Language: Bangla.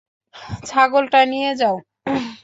ছাগলটা নিয়ে যাও।